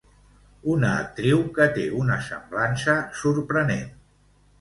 Una actriu que té una semblança sorprenent.